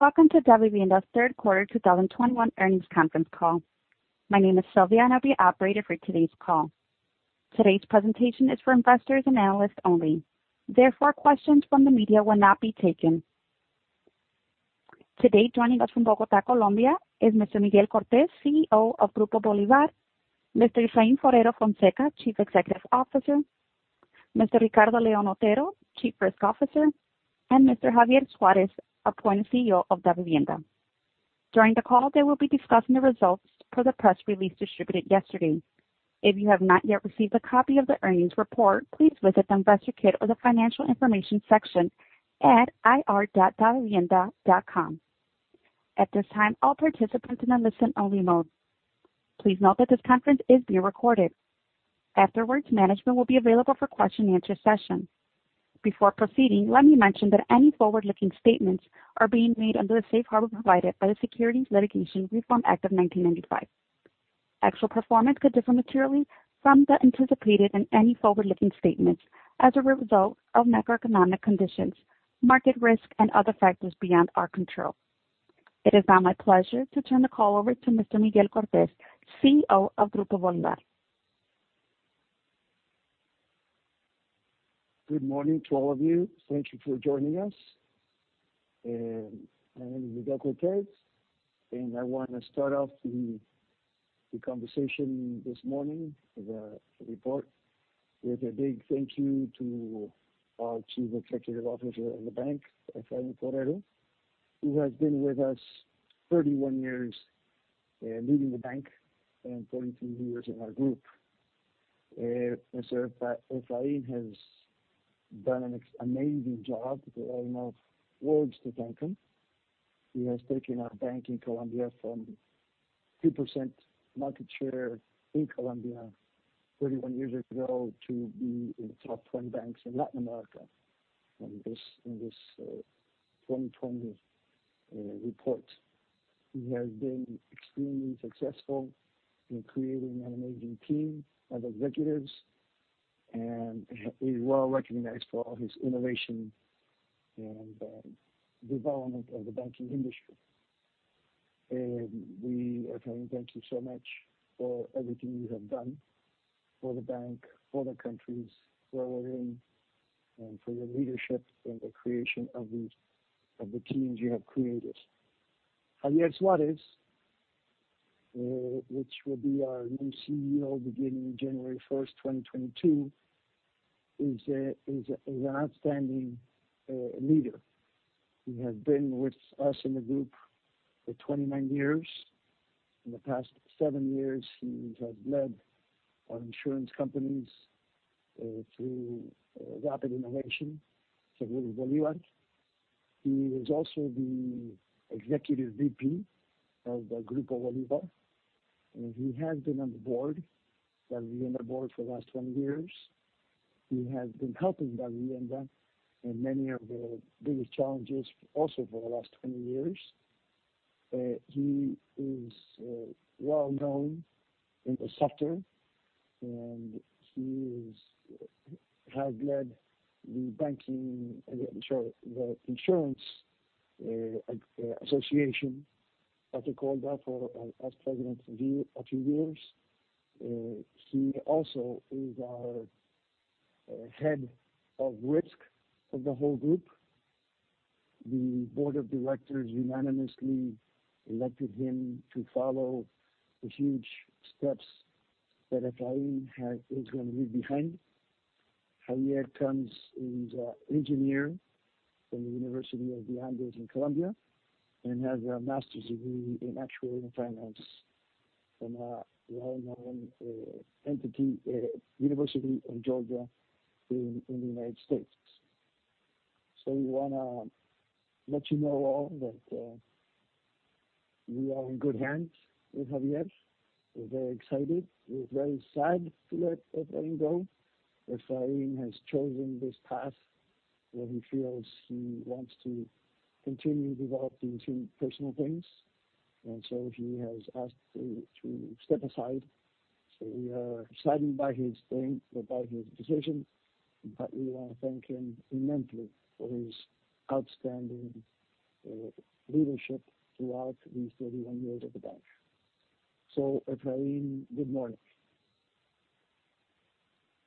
Welcome to Davivienda's Q3 2021 earnings conference call. My name is Silvia, and I'll be your operator for today's call. Today's presentation is for investors and analysts only. Therefore, questions from the media will not be taken. Today, joining us from Bogotá, Colombia is Mr. Miguel Cortés, CEO of Grupo Bolívar, Mr. Efraín Forero Fonseca, Chief Executive Officer, Mr. Ricardo León Otero, Chief Risk Officer, and Mr. Javier Suárez, appointed CEO of Davivienda. During the call, they will be discussing the results per the press release distributed yesterday. If you have not yet received a copy of the earnings report, please visit the investor kit or the financial information section at ir.davivienda.com. At this time, all participants in a listen-only mode. Please note that this conference is being recorded. Afterwards, management will be available for question and answer session. Before proceeding, let me mention that any forward-looking statements are being made under the safe harbor provided by the Private Securities Litigation Reform Act of 1995. Actual performance could differ materially from the anticipated in any forward-looking statements as a result of macroeconomic conditions, market risk, and other factors beyond our control. It is now my pleasure to turn the call over to Mr. Miguel Cortés, CEO of Grupo Bolívar. Good morning to all of you. Thank you for joining us. My name is Miguel Cortés, and I want to start off the conversation this morning with a big thank you to our Chief Executive Officer of the bank, Efraín Forero, who has been with us 31 years leading the bank and 23 years in our group. Mr. Efraín has done an amazing job. I don't have words to thank him. He has taken our bank in Colombia from 2% market share in Colombia 31 years ago to be in the top 10 banks in Latin America in this 2020 report. He has been extremely successful in creating an amazing team of executives, and he's well-recognized for all his innovation and development of the banking industry. We are trying to thank you so much for everything you have done for the bank, for the countries where we're in, and for your leadership in the creation of the teams you have created. Javier Suárez, which will be our new CEO beginning January first, 2022, is an outstanding leader. He has been with us in the group for 29 years. In the past seven years, he has led our insurance companies through rapid innovation for Grupo Bolívar. He is also the Executive VP of the Grupo Bolívar, and he has been on the board, Davivienda board for the last 20 years. He has been helping Davivienda in many of the biggest challenges also for the last 20 years. He is well-known in the sector, and he is. has led the insurance association, as we call that, as president for a few years. He also is our head of risk of the whole group. The board of directors unanimously elected him to follow the huge steps that Efrain is gonna leave behind. Javier is an engineer from the University of the Andes in Colombia and has a master's degree in Actuarial and Finance from a well-known entity, University of Georgia in the United States. We wanna let you know all that, we are in good hands with Javier. We're very excited. We're very sad to let Efrain go. Efrain has chosen this path where he feels he wants to continue developing two personal things. He has asked to step aside. We are saddened by his thing or by his decision, but we wanna thank him immensely for his outstanding leadership throughout these 31 years of the bank. Efraín, good morning.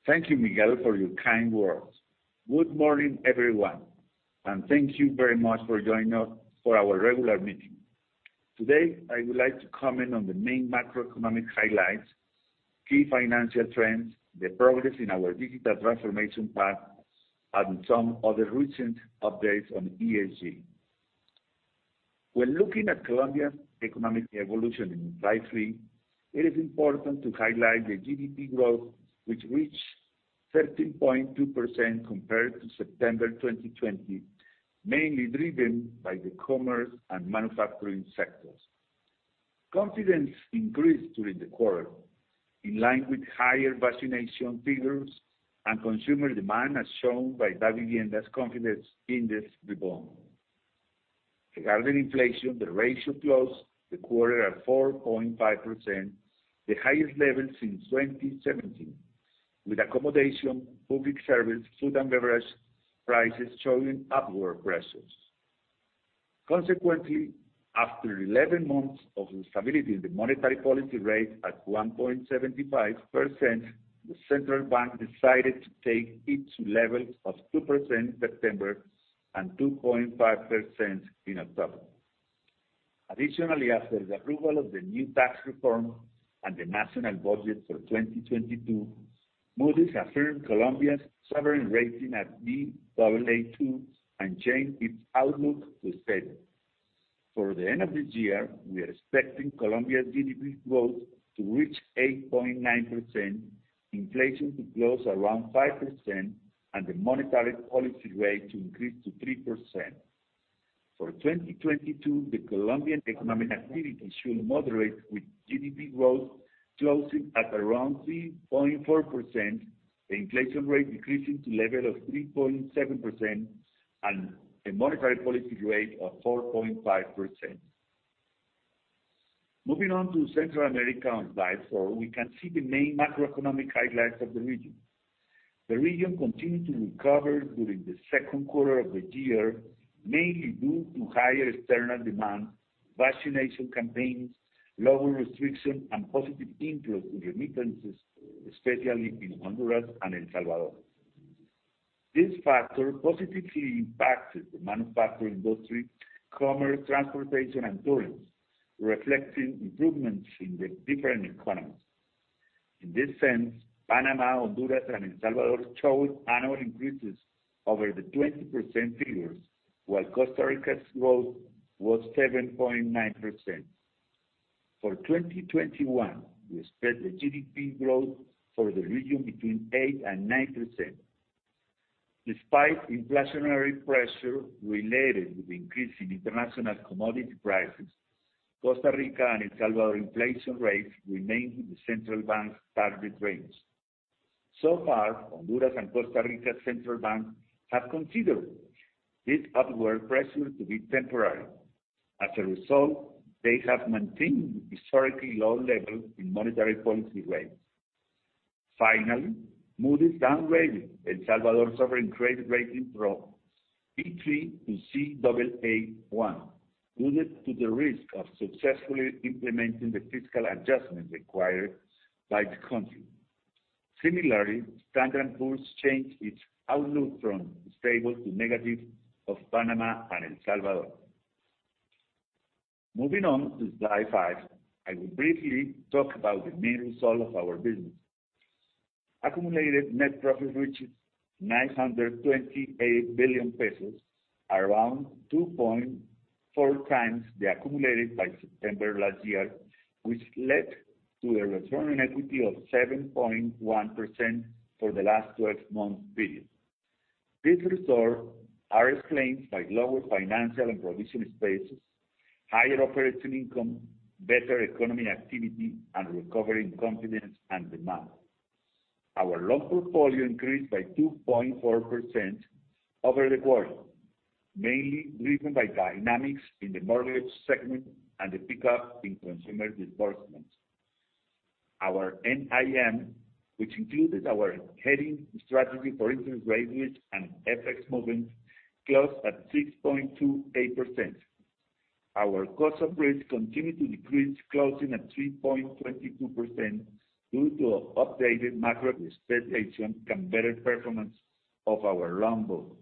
Thank you, Miguel, for your kind words. Good morning, everyone, and thank you very much for joining us for our regular meeting. Today, I would like to comment on the main macroeconomic highlights, key financial trends, the progress in our digital transformation path, and some other recent updates on ESG. When looking at Colombia's economic evolution in brief, it is important to highlight the GDP growth, which reached 13.2% compared to September 2020, mainly driven by the commerce and manufacturing sectors. Confidence increased during the quarter, in line with higher vaccination figures and consumer demand, as shown by Davivienda's confidence index rebound. Regarding inflation, the rate closed the quarter at 4.5%, the highest level since 2017. With accommodation, public service, food and beverage prices showing upward pressures. Consequently, after 11 months of stability in the monetary policy rate at 1.75%, the central bank decided to take it to levels of 2% September and 2.5% in October. Additionally, after the approval of the new tax reform and the national budget for 2022, Moody's affirmed Colombia's sovereign rating at Baa2 and changed its outlook to stable. For the end of the year, we are expecting Colombia's GDP growth to reach 8.9%, inflation to close around 5%, and the monetary policy rate to increase to 3%. For 2022, the Colombian economic activity should moderate, with GDP growth closing at around 3.4%, the inflation rate decreasing to level of 3.7%, and a monetary policy rate of 4.5%. Moving on to Central America on slide four, we can see the main macroeconomic highlights of the region. The region continued to recover during the second quarter of the year, mainly due to higher external demand, vaccination campaigns, lower restrictions, and positive inflow in remittances, especially in Honduras and El Salvador. These factors positively impacted the manufacturing industry, commerce, transportation, and tourism, reflecting improvements in the different economies. In this sense, Panama, Honduras, and El Salvador showed annual increases over the 20% figures, while Costa Rica's growth was 7.9%. For 2021, we expect the GDP growth for the region between 8% and 9%. Despite inflationary pressure related with increase in international commodity prices, Costa Rica and El Salvador inflation rates remain in the central bank's target range. So far, Honduras and Costa Rica central banks have considered this upward pressure to be temporary. As a result, they have maintained historically low levels in monetary policy rates. Finally, Moody's downgraded El Salvador's sovereign credit rating from B3 to Caa1, due to the risk of successfully implementing the fiscal adjustment required by the country. Similarly, Standard & Poor's changed its outlook from stable to negative of Panama and El Salvador. Moving on to slide five, I will briefly talk about the main results of our business. Accumulated net profit reached COP 928 billion, around 2.4 times the accumulated by September last year, which led to a return on equity of 7.1% for the last 12-month period. These results are explained by lower financial and provision expenses, higher operating income, better economic activity, and recovery in confidence and demand. Our loan portfolio increased by 2.4% over the quarter, mainly driven by dynamics in the mortgage segment and the pickup in consumer disbursements. Our NIM, which included our hedging strategy for interest rate risk and FX movements, closed at 6.28%. Our cost of risk continued to decrease, closing at 3.22% due to updated macro expectations and better performance of our loan book.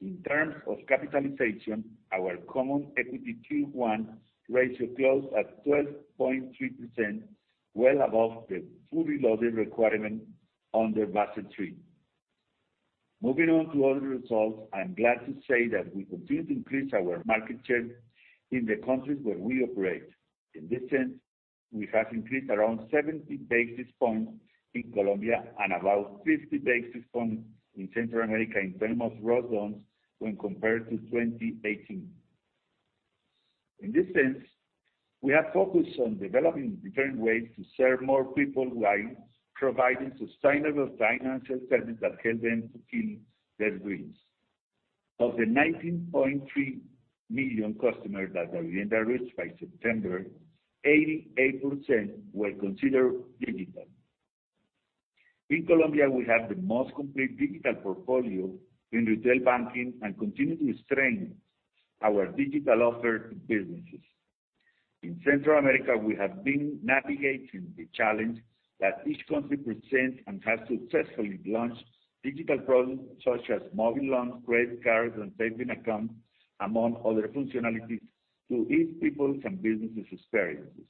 In terms of capitalization, our Common Equity Tier 1 ratio closed at 12.3%, well above the fully loaded requirement under Basel III. Moving on to other results, I'm glad to say that we continue to increase our market share in the countries where we operate. In this sense, we have increased around 70 basis points in Colombia and about 50 basis points in Central America in 10 months Dow Jones when compared to 2018. In this sense, we are focused on developing different ways to serve more people while providing sustainable financial services that help them to achieve their dreams. Of the 19.3 million customers that Davivienda reached by September, 88% were considered digital. In Colombia, we have the most complete digital portfolio in retail banking and continue to strengthen our digital offer to businesses. In Central America, we have been navigating the challenge that each country presents and have successfully launched digital products such as mobile loans, credit cards, and savings accounts, among other functionalities, to ease people's and businesses' experiences.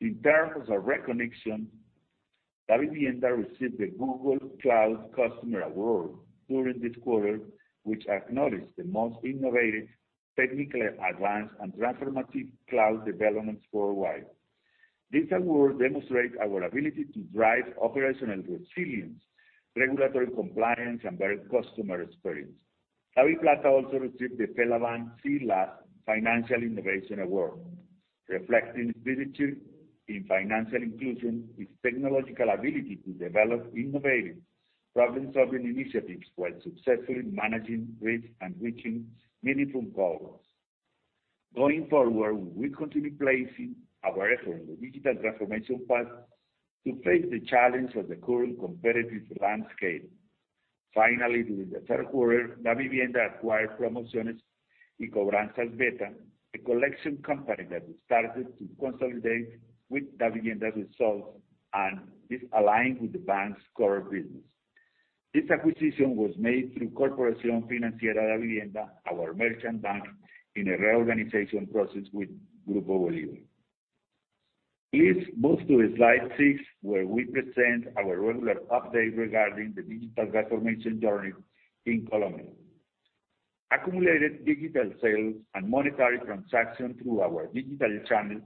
In terms of recognition, Davivienda received the Google Cloud Customer Award during this quarter, which acknowledged the most innovative, technically advanced, and transformative cloud developments worldwide. This award demonstrates our ability to drive operational resilience, regulatory compliance, and better customer experience. DaviPlata also received the FELABAN Financial Innovation Award, reflecting its leadership in financial inclusion, its technological ability to develop innovative problem-solving initiatives while successfully managing risk and reaching meaningful goals. Going forward, we will continue placing our effort on the digital transformation path to face the challenge of the current competitive landscape. Finally, during the Q3, Davivienda acquired Promociones y Cobranzas Beta, a collection company that we started to consolidate with Davivienda's results, and is aligned with the bank's core business. This acquisition was made through Corporación Financiera Davivienda, our merchant bank, in a reorganization process with Grupo Bolívar. Please move to slide 6, where we present our regular update regarding the digital transformation journey in Colombia. Accumulated digital sales and monetary transactions through our digital channels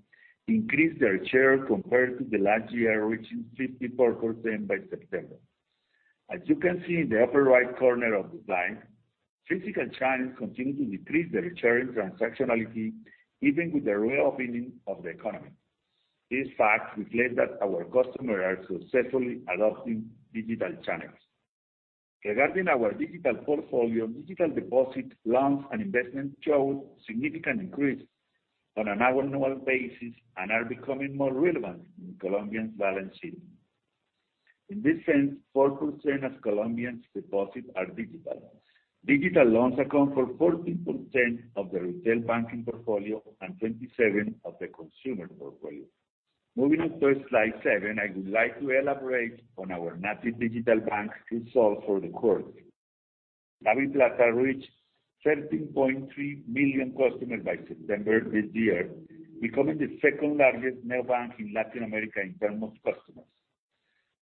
increased their share compared to the last year, reaching 54% by September. As you can see in the upper right corner of the slide, physical channels continue to decrease their share in transactionality even with the reopening of the economy. This fact reflects that our customers are successfully adopting digital channels. Regarding our digital portfolio, digital deposits, loans, and investments showed significant increase on an annual basis and are becoming more relevant in Colombians' balance sheet. In this sense, 4% of Colombians' deposits are digital. Digital loans account for 14% of the retail banking portfolio and 27% of the consumer portfolio. Moving on to slide seven, I would like to elaborate on our native digital bank results for the quarter. DaviPlata reached 13.3 million customers by September this year, becoming the second-largest neobank in Latin America in terms of customers.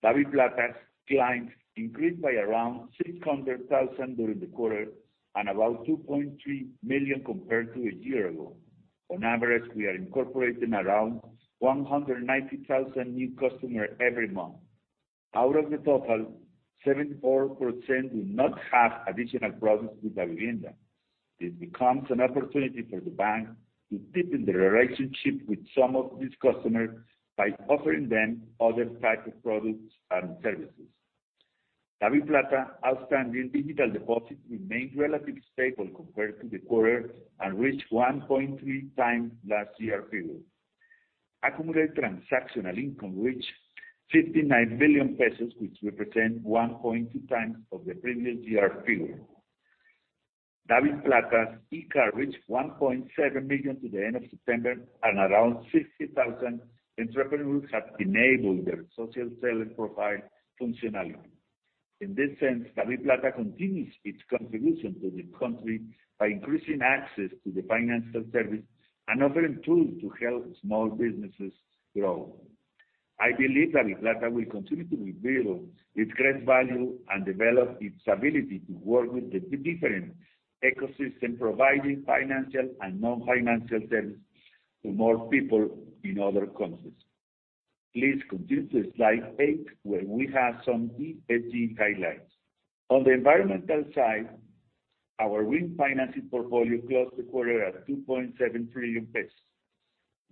DaviPlata's clients increased by around 600,000 during the quarter and about 2.3 million compared to a year ago. On average, we are incorporating around 190,000 new customers every month. Out of the total, 74% do not have additional products with Davivienda. This becomes an opportunity for the bank to deepen the relationship with some of these customers by offering them other types of products and services. DaviPlata's outstanding digital deposits remained relatively stable compared to the quarter and reached 1.3 times last year's figure. Accumulated transactional income reached COP 59 billion, which represent 1.2 times of the previous year figure. DaviPlata's e-commerce reached 1.7 million to the end of September, and around 60,000 entrepreneurs have enabled their social selling profile functionality. In this sense, DaviPlata continues its contribution to the country by increasing access to the financial service and offering tools to help small businesses grow. I believe DaviPlata will continue to reveal its great value and develop its ability to work with the different ecosystem, providing financial and non-financial services to more people in other countries. Please continue to slide 8, where we have some ESG highlights. On the environmental side, our green financing portfolio closed the quarter at COP 2.7 trillion,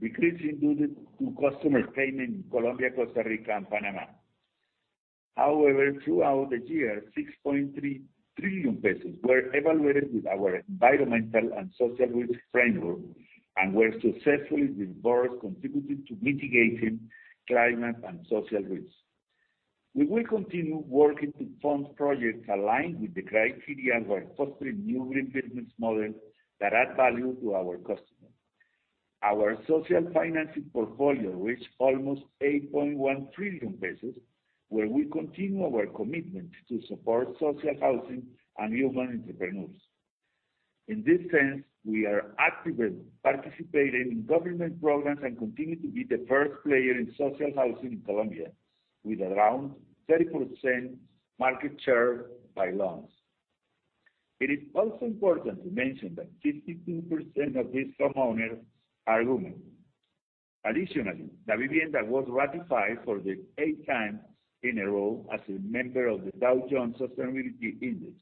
decreasing due to customer payment in Colombia, Costa Rica, and Panama. However, throughout the year, COP 6.3 trillion were evaluated with our environmental and social risk framework and were successfully disbursed, contributing to mitigating climate and social risks. We will continue working to fund projects aligned with the criteria while fostering new green business models that add value to our customers. Our social financing portfolio reached almost COP 8.1 trillion, where we continue our commitment to support social housing and new entrepreneurs. In this sense, we are actively participating in government programs and continue to be the first player in social housing in Colombia, with around 30% market share by loans. It is also important to mention that 52% of these homeowners are women. Additionally, Davivienda was ratified for the eighth time in a row as a member of the Dow Jones Sustainability Index.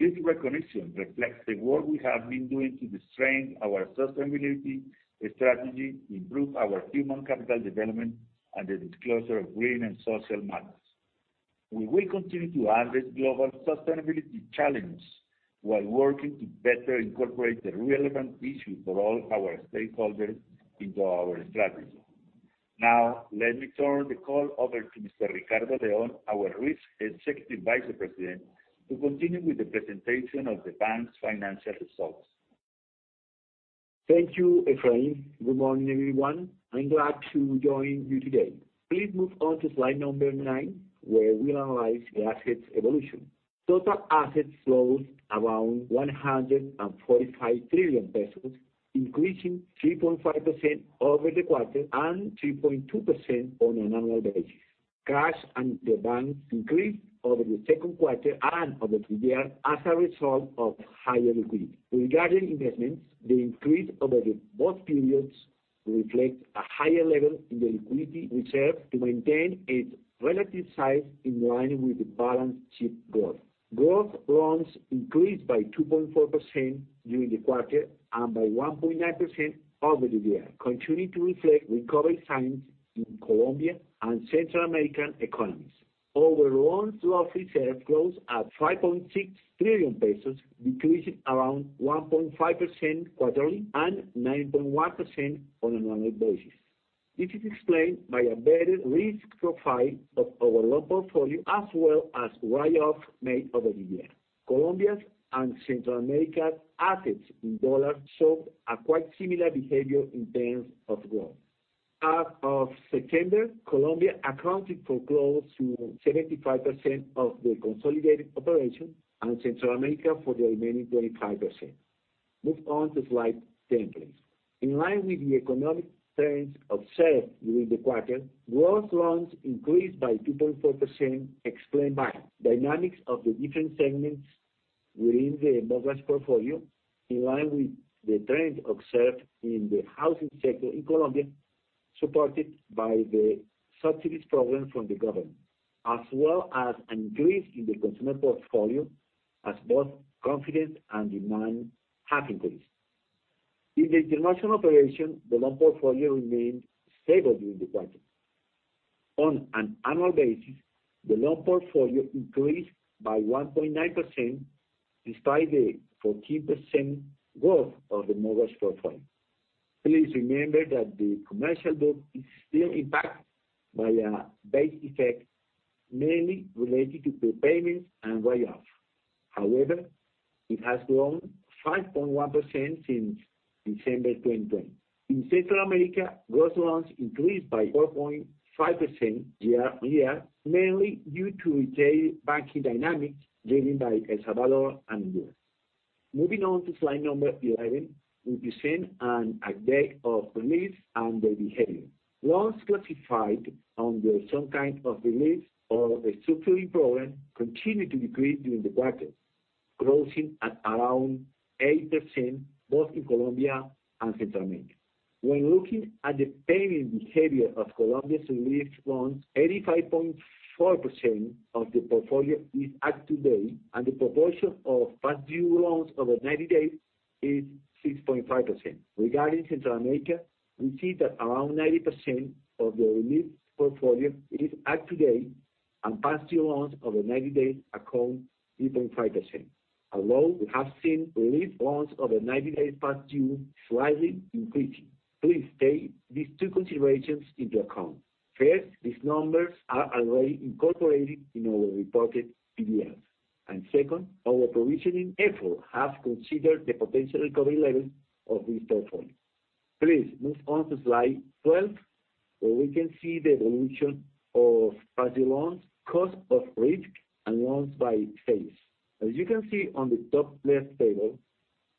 This recognition reflects the work we have been doing to strengthen our sustainability strategy, improve our human capital development, and the disclosure of green and social matters. We will continue to address global sustainability challenges while working to better incorporate the relevant issues for all our stakeholders into our strategy. Now, let me turn the call over to Mr. Ricardo León, our Executive Vice President of Risk, to continue with the presentation of the bank's financial results. Thank you, Efraín. Good morning, everyone. I'm glad to join you today. Please move on to slide number 9, where we analyze the assets evolution. Total assets closed around COP 145 trillion, increasing 3.5% over the quarter and 3.2% on an annual basis. Cash at the bank increased over the second quarter and over the year as a result of higher liquidity. Regarding investments, the increase over both periods reflect a higher level in the liquidity reserve to maintain its relative size in line with the balance sheet growth. Gross loans increased by 2.4% during the quarter and by 1.9% over the year, continuing to reflect recovery signs in Colombia and Central American economies. Overall loan loss reserve growth at COP 5.6 trillion, decreasing around 1.5% quarterly and 9.1% on an annual basis. This is explained by a better risk profile of our loan portfolio, as well as write-off made over the year. Colombia's and Central America's assets in dollars showed a quite similar behavior in terms of growth. As of September, Colombia accounted for close to 75% of the consolidated operation, and Central America for the remaining 25%. Move on to slide 10, please. In line with the economic trends observed during the quarter, gross loans increased by 2.4%, explained by dynamics of the different segments within the mortgage portfolio, in line with the trends observed in the housing sector in Colombia, supported by the subsidies program from the government, as well as an increase in the consumer portfolio as both confidence and demand have increased. In the international operation, the loan portfolio remained stable during the quarter. On an annual basis, the loan portfolio increased by 1.9% despite the 14% growth of the mortgage portfolio. Please remember that the commercial book is still impacted by a base effect mainly related to prepayments and write-off. However, it has grown 5.1% since December 2020. In Central America, gross loans increased by 4.5% year-on-year, mainly due to retail banking dynamics driven by El Salvador and U.S. Moving on to slide number 11, we present an update of reliefs and their behavior. Loans classified under some kind of relief or restructuring program continued to decrease during the quarter, closing at around 8% both in Colombia and Central America. When looking at the payment behavior of Colombia's relief loans, 85.4% of the portfolio is up to date, and the proportion of past due loans over 90 days is 6.5%. Regarding Central America, we see that around 90% of the relief portfolio is up to date, and past due loans over 90 days account for 3.5%. Although we have seen relief loans over 90 days past due slightly increasing, please take these two considerations into account. First, these numbers are already incorporated in our reported PDLs. Second, our provisioning effort has considered the potential recovery level of this portfolio. Please move on to slide 12, where we can see the evolution of past due loans, cost of risk, and loans by phase. As you can see on the top left table,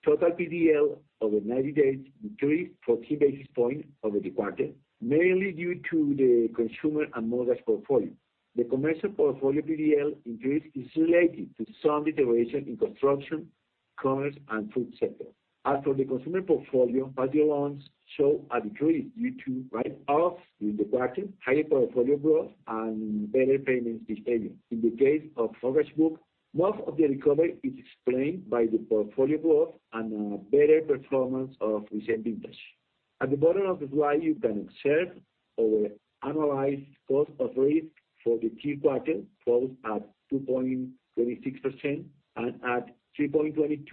total PDL over 90 days decreased 40 basis points over the quarter, mainly due to the consumer and mortgage portfolio. The commercial portfolio PDL increase is related to some deterioration in construction, commerce, and food sector. As for the consumer portfolio, past due loans show a decrease due to write offs during the quarter, higher portfolio growth, and better payment behavior. In the case of mortgage book, most of the recovery is explained by the portfolio growth and a better performance of recent vintage. At the bottom of the slide, you can observe our analyzed cost of risk for the key quarter closed at 2.26% and at 3.22%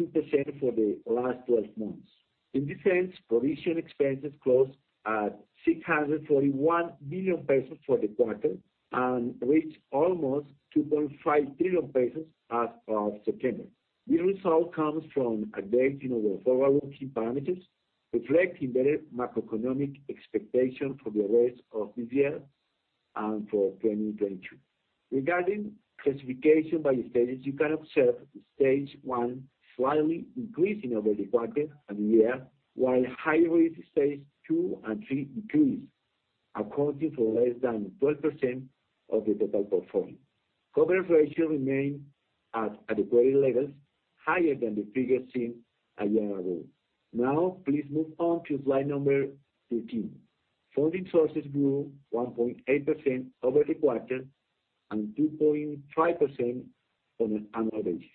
for the last 12 months. In this sense, provision expenses closed at COP 641 million for the quarter and reached almost COP 2.5 billion as of September. This result comes from updating our forward-looking parameters, reflecting better macroeconomic expectations for the rest of this year and for 2022. Regarding classification by stages, you can observe stage one slightly increasing over the quarter and year, while high-risk stage two and three decreased, accounting for less than 12% of the total portfolio. Coverage ratio remained at adequate levels, higher than the figures seen a year ago. Now, please move on to slide number 13. Funding sources grew 1.8% over the quarter and 2.5% on an annual basis.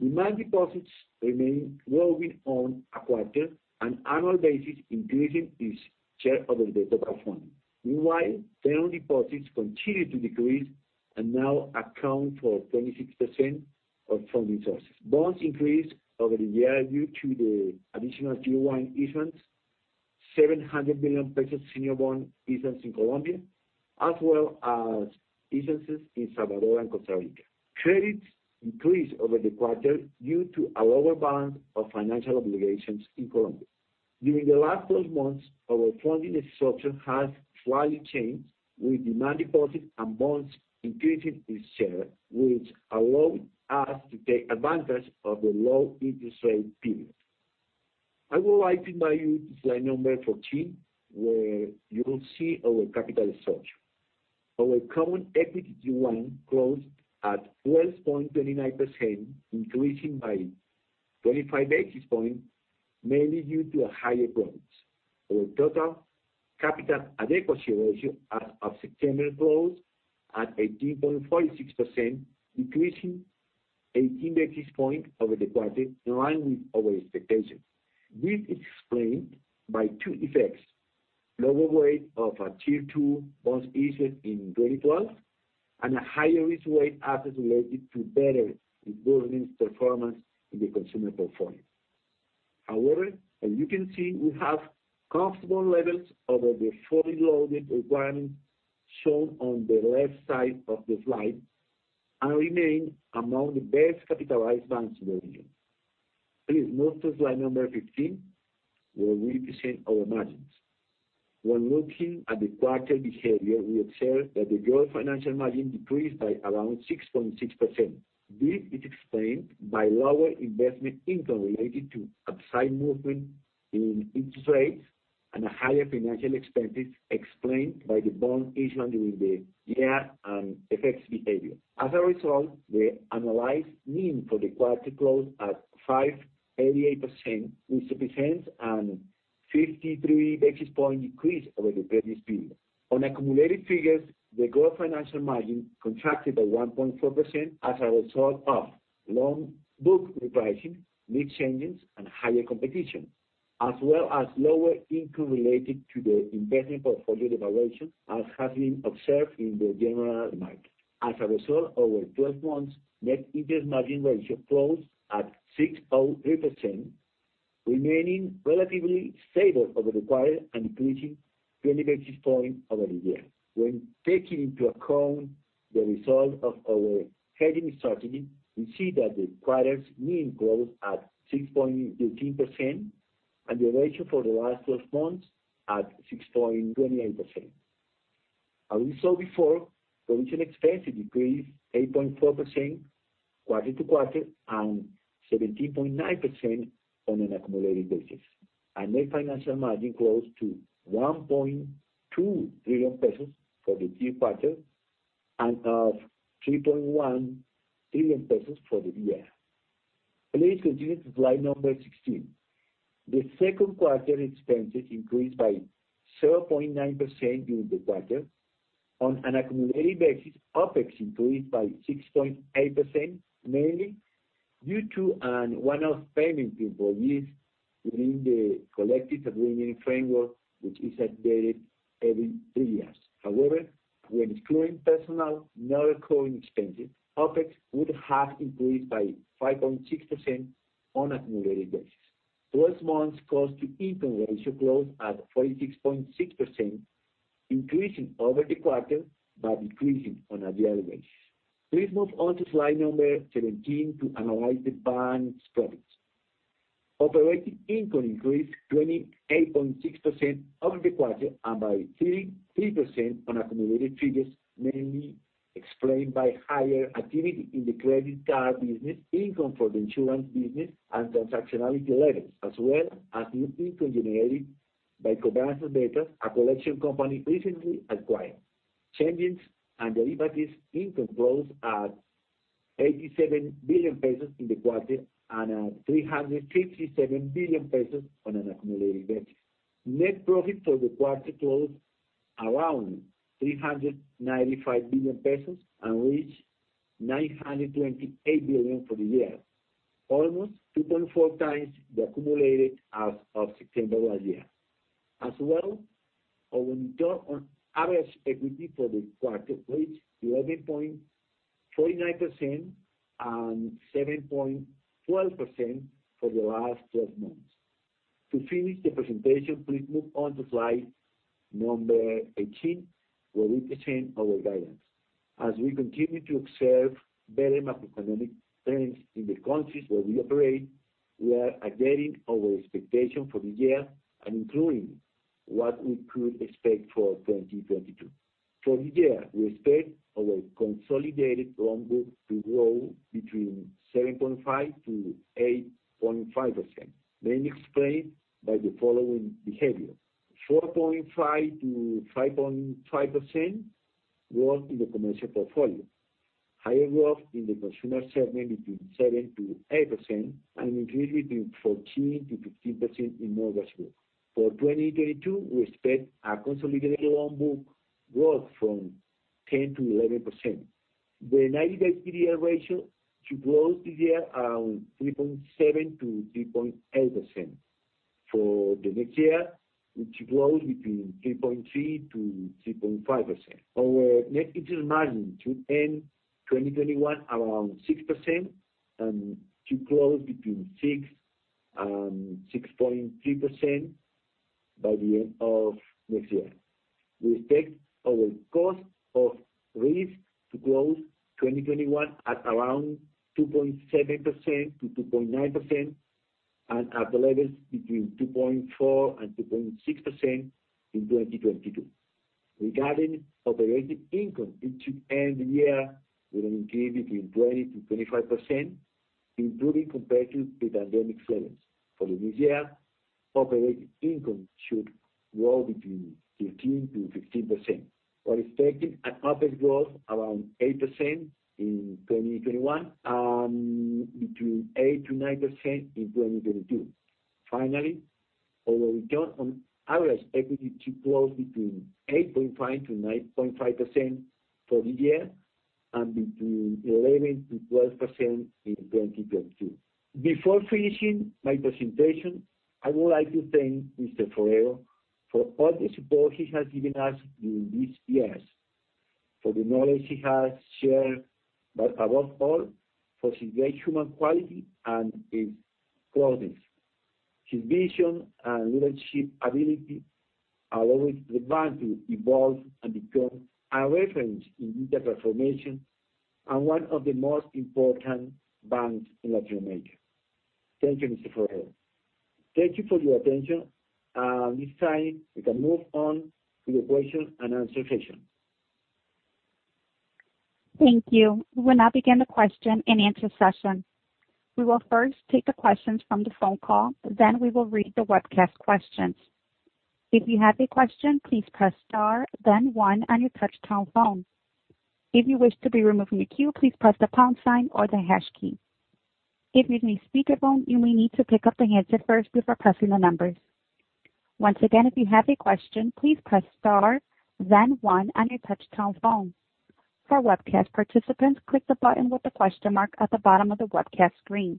Demand deposits remain growing on a quarter and annual basis, increasing its share over the total funding. Meanwhile, term deposits continued to decrease and now account for 26% of funding sources. Bonds increased over the year due to the Additional Tier 1 issuance, COP 700 million senior bond issuance in Colombia, as well as issuances in El Salvador and Costa Rica. Credits increased over the quarter due to a lower balance of financial obligations in Colombia. During the last 12 months, our funding structure has slightly changed with demand deposit and bonds increasing its share, which allowed us to take advantage of the low interest rate period. I will invite you to slide 14, where you will see our capital structure. Our Common Equity Tier 1 closed at 12.29%, increasing by 25 basis points, mainly due to higher premiums. Our total capital adequacy ratio as of September closed at 18.46%, increasing 18 basis points over the quarter, in line with our expectations. This is explained by two effects, lower weight of our Tier 2 bonds issued in 2012, and a higher risk-weighted assets related to better improved performance in the consumer portfolio. However, as you can see, we have comfortable levels over the fully loaded requirement shown on the left side of the slide and remain among the best-capitalized banks in the region. Please move to slide 15, where we present our margins. When looking at the quarter behavior, we observe that the gross financial margin decreased by around 6.6%. This is explained by lower investment income related to upside movement in interest rates and a higher financial expenses explained by the bond issue during the year and FX behavior. As a result, the annualized mean for the quarter closed at 5.88%, which represents a 53 basis point decrease over the previous period. On accumulated figures, the gross financial margin contracted by 1.4% as a result of loan book repricing, mix changes, and higher competition, as well as lower income related to the investment portfolio devaluation, as has been observed in the general market. As a result, over twelve months, net interest margin ratio closed at 6.03%, remaining relatively stable over the quarter and increasing 20 basis points over the year. When taking into account the result of our hedging strategy, we see that the quarter's mean closed at 6.18% and the ratio for the last 12 months at 6.28%. As we saw before, operating expenses decreased 8.4% quarter-over-quarter and 17.9% on an accumulated basis. Net financial margin closed at COP 1.2 trillion for the third quarter and COP 3.1 trillion for the year. Please continue to slide 16. Operating expenses increased by 0.9% during the quarter. On an accumulated basis, OpEx increased by 6.8%, mainly due to a one-off payment to employees within the collective agreement framework, which is updated every three years. However, when excluding personnel and non-recurring expenses, OpEx would have increased by 5.6% on an accumulated basis. 12-month cost-to-income ratio closed at 46.6%, increasing over the quarter, but decreasing on a year basis. Please move on to slide 17 to analyze the bank's profits. Operating income increased 28.6% over the quarter and by 3% on accumulated figures, mainly explained by higher activity in the credit card business, income for the insurance business, and transactionality levels, as well as new income generated by Cobranzas Beta, a collection company recently acquired. Changes and derivatives income closed at COP 87 billion in the quarter and at COP 357 billion on an accumulated basis. Net profit for the quarter closed around COP 395 billion and reached COP 928 billion for the year, almost 2.4 times the accumulated as of September last year. As well, our return on average equity for the quarter reached 11.49% and 7.12% for the last 12 months. To finish the presentation, please move on to slide number 18, where we present our guidance. We continue to observe better macroeconomic trends in the countries where we operate. We are updating our expectation for the year and including what we could expect for 2022. For the year, we expect our consolidated loan book to grow between 7.5%-8.5%, mainly explained by the following behavior: 4.5%-5.5% growth in the commercial portfolio, higher growth in the consumer segment between 7%-8%, and increase between 14%-15% in mortgage growth. For 2022, we expect our consolidated loan book growth from 10%-11%. The 90-day PDL ratio should close the year around 3.7%-3.8%. For the next year, it should close between 3.3%-3.5%. Our net interest margin should end 2021 around 6% and should close between 6%-6.3% by the end of next year. We expect our cost of risk to close 2021 at around 2.7%-2.9% and at the levels between 2.4%-2.6% in 2022. Regarding operating income, it should end the year with an increase between 20%-25%, improving compared to pre-pandemic levels. For the next year, operating income should grow between 15%-15%. We're expecting an OpEx growth around 8% in 2021 and between 8%-9% in 2022. Finally, our return on average equity should close between 8.5%-9.5% for the year and between 11%-12% in 2022. Before finishing my presentation, I would like to thank Mr. Forero for all the support he has given us during these years. for the knowledge he has shared, but above all, for his great human quality and his closeness. His vision and leadership ability allow the bank to evolve and become a reference in digital transformation and one of the most important banks in Latin America. Thank you, Mr. Forero. Thank you for your attention. This time, we can move on to the question and answer session. Thank you. We'll now begin the question and answer session. We will first take the questions from the phone call, then we will read the webcast questions. If you have a question, please press star then one on your touch-tone phone. If you wish to be removed from the queue, please press the pound sign or the hash key. If you're using speakerphone, you may need to pick up the handset first before pressing the numbers. Once again, if you have a question, please press star then one on your touch-tone phone. For webcast participants, click the button with the question mark at the bottom of the webcast screen.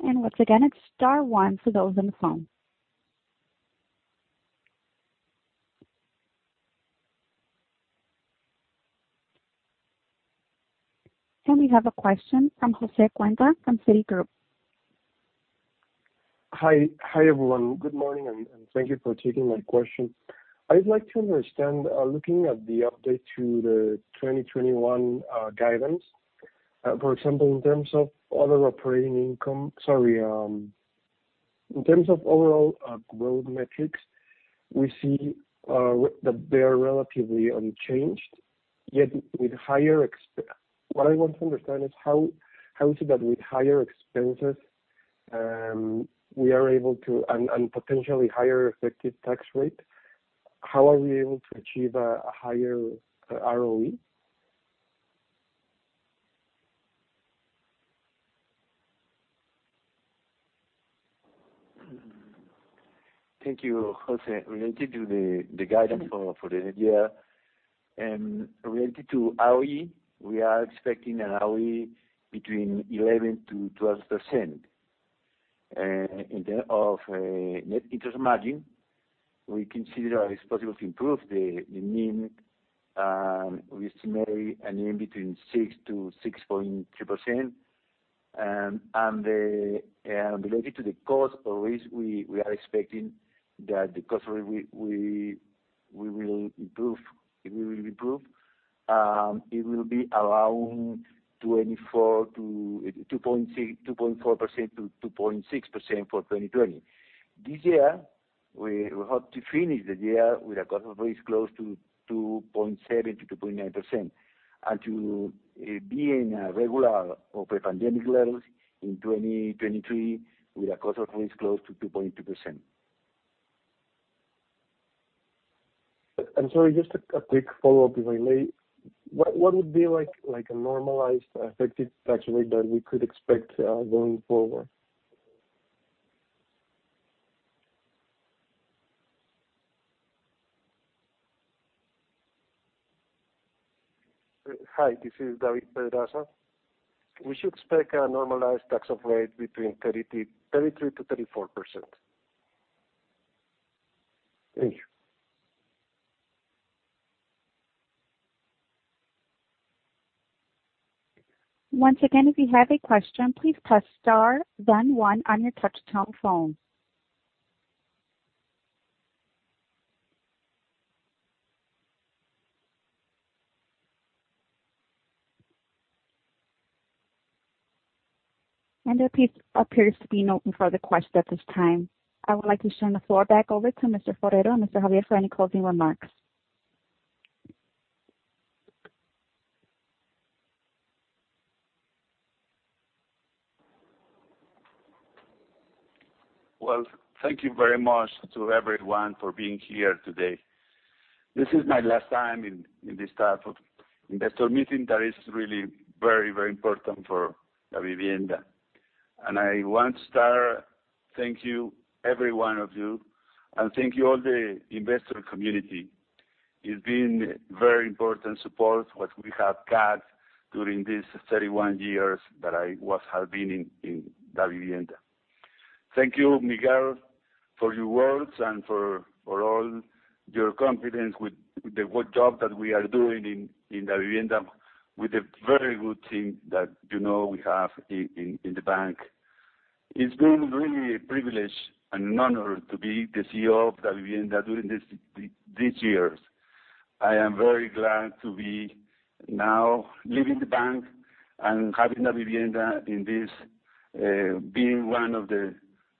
Once again, it's star one for those on the phone. We have a question from Joshua Grassauer from Citigroup. Hi, everyone. Good morning, and thank you for taking my question. I'd like to understand, looking at the update to the 2021 guidance, in terms of overall growth metrics, we see that they are relatively unchanged, yet with higher expenses. What I want to understand is how is it that with higher expenses, we are able to, and potentially higher effective tax rate, how are we able to achieve a higher ROE? Thank you, Jose. Related to the guidance for the year, related to ROE, we are expecting an ROE between 11%-12%. In terms of net interest margin, we consider it's possible to improve the NIM. We estimate a NIM between 6%-6.3%. Related to the cost of risk, we are expecting that the cost of risk will improve. It will improve. It will be around 2.4%-2.6% for 2020. This year, we hope to finish the year with a cost of risk close to 2.7%-2.9%, and to be in a regular or pre-pandemic levels in 2023, with a cost of risk close to 2.2%. Sorry, just a quick follow-up, if I may. What would be like a normalized effective tax rate that we could expect going forward? Hi, this is David Pedraza. We should expect a normalized tax rate between 33%-34%. Thank you. Once again, if you have a question, please press star then one on your touch-tone phone. There appears to be no further questions at this time. I would like to turn the floor back over to Mr. Forero and Mr. Javier for any closing remarks. Well, thank you very much to everyone for being here today. This is my last time in this type of investor meeting that is really very, very important for Davivienda. I want to start thank you, every one of you, and thank you all the investor community. It's been very important support what we have had during these 31 years that I was, have been in Davivienda. Thank you, Miguel, for your words and for all your confidence with the work job that we are doing in Davivienda, with the very good team that you know we have in the bank. It's been really a privilege and an honor to be the CEO of Davivienda during these years. I am very glad to be now leaving the bank and having Davivienda in this, being one of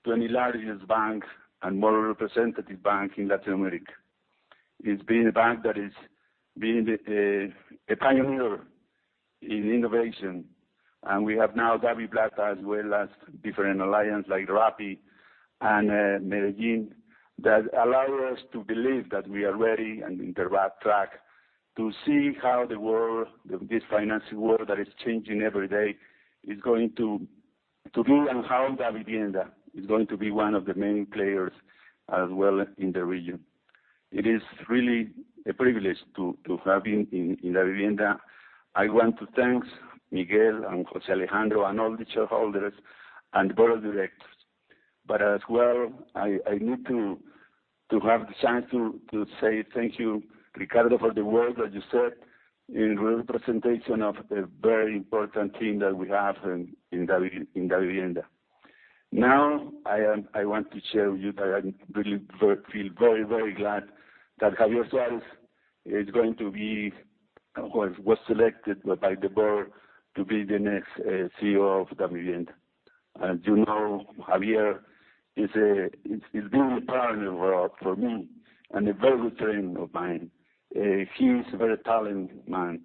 the 20 largest banks and more representative bank in Latin America. It's been a bank that is been the, a pioneer in innovation, and we have now DaviPlata as well as different alliance like Rappi and, Dale!, that allow us to believe that we are ready and in the right track to see how the world, this financing world that is changing every day, is going to be and how Davivienda is going to be one of the main players as well in the region. It is really a privilege to have been in Davivienda. I want to thank Miguel and Jose Alejandro and all the shareholders and board of directors. As well, I need to have the chance to say thank you, Ricardo, for the words that you said in representation of the very important team that we have in Davivienda. Now, I want to share with you that I'm really very glad that Javier Suárez was selected by the board to be the next CEO of Davivienda. As you know, Javier, he's been a partner for me, and a very good friend of mine. He is a very talented man.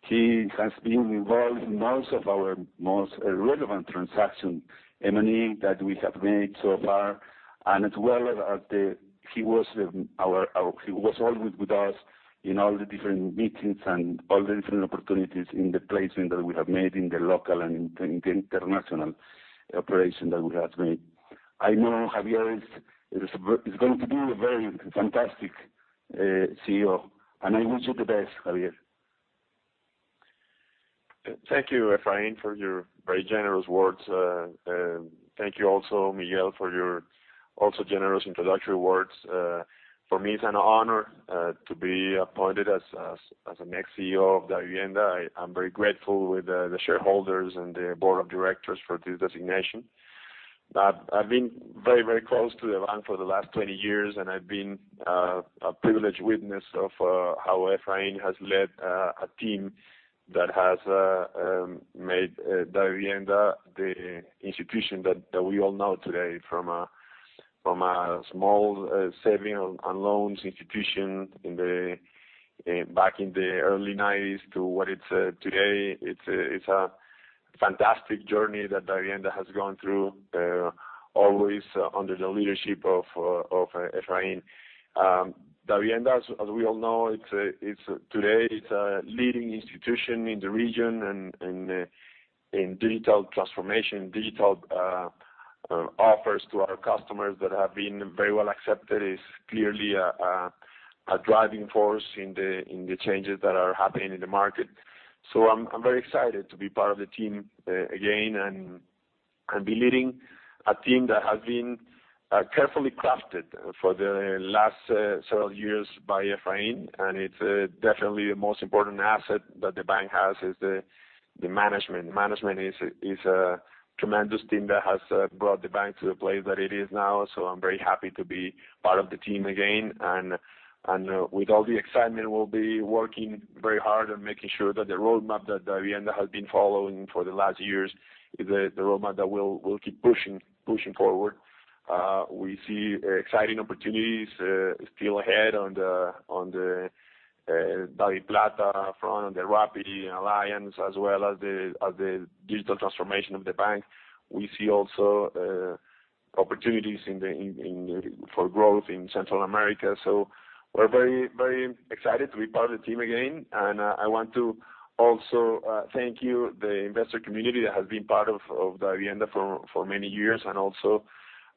He has been involved in most of our relevant transaction, M&A, that we have made so far, and as well as at the He was always with us in all the different meetings and all the different opportunities in the placement that we have made in the local and in the international operation that we have made. I know Javier is going to be a very fantastic CEO, and I wish you the best, Javier. Thank you, Efraín, for your very generous words. Thank you also, Miguel, for your also generous introductory words. For me, it's an honor to be appointed as the next CEO of Davivienda. I'm very grateful with the shareholders and the board of directors for this designation. I've been very close to the bank for the last 20 years, and I've been a privileged witness of how Efraín has led a team that has made Davivienda the institution that we all know today from a small saving and loans institution in the back in the early nineties to what it's today. It's a fantastic journey that Davivienda has gone through, always under the leadership of Efraín. Davivienda, as we all know, today it's a leading institution in the region and in digital transformation, digital offers to our customers that have been very well accepted. It's clearly a driving force in the changes that are happening in the market. I'm very excited to be part of the team again and be leading a team that has been carefully crafted for the last several years by Efraín. It's definitely the most important asset that the bank has is the management. Management is a tremendous team that has brought the bank to the place that it is now. I'm very happy to be part of the team again. With all the excitement, we'll be working very hard and making sure that the roadmap that Davivienda has been following for the last years, the roadmap that we'll keep pushing forward. We see exciting opportunities still ahead on the DaviPlata front, on the Rappi alliance, as well as the digital transformation of the bank. We see also opportunities for growth in Central America. We're very excited to be part of the team again. I want to also thank you, the investor community that has been part of Davivienda for many years and also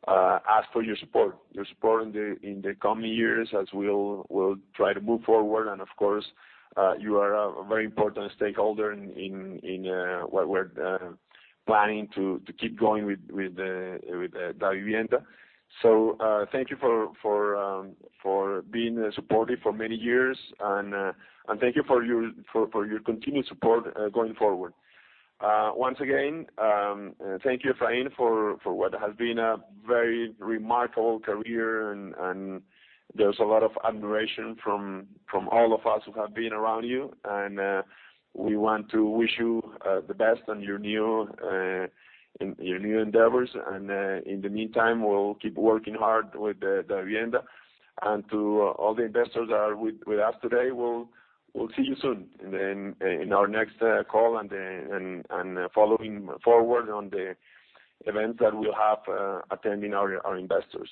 ask for your support in the coming years as we'll try to move forward. Of course, you are a very important stakeholder in what we're planning to keep going with Davivienda. Thank you for being supportive for many years, and thank you for your continued support going forward. Once again, thank you, Efraín, for what has been a very remarkable career and there's a lot of admiration from all of us who have been around you. We want to wish you the best in your new endeavors. In the meantime, we'll keep working hard with the Davivienda. To all the investors that are with us today, we'll see you soon in our next call and following forward on the events that we'll have, attending our investors.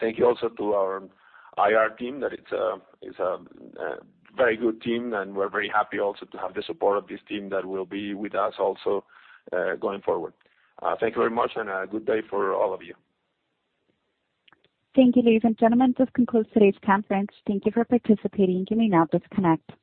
Thank you also to our IR team, that it's a very good team, and we're very happy also to have the support of this team that will be with us also, going forward. Thank you very much and good day for all of you. Thank you, ladies and gentlemen. This concludes today's conference. Thank you for participating. You may now disconnect.